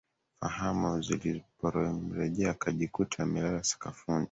Fahamu zilipomrejea akajikuta amelala sakafuni